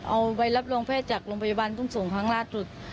เอาใบรับรองแพทย์จากโรงพยาบาลทุ่งส่งครั้งล่าสุด